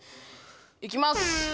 行きます！